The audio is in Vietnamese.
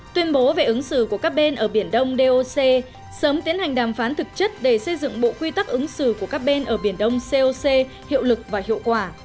tuyên bố về ứng xử của các bên ở biển đông doc sớm tiến hành đàm phán thực chất để xây dựng bộ quy tắc ứng xử của các bên ở biển đông coc hiệu lực và hiệu quả